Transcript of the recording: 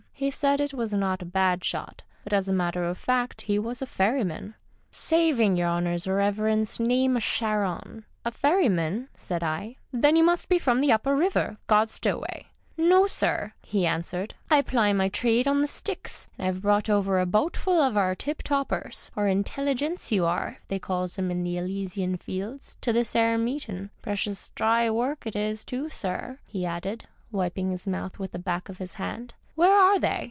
He said it was not a bad shot, but, as a matter of fact, he was a ferryman, " saving your honour's reverence, name o' Charon." " A ferryman ?"' said I ;" then you nuist be from the Upper River, Godstow way."' " No, sir," he answered, " I ply my trade on the Styx, and I've brought over a boatful of our tip toppers — our intelli gents you are they calls 'em in the Elysian Fields — to this 'ere mectin'. Precious dry work it is, too, sir," he added, wijiing his mouth with the back of his hand. " Where are they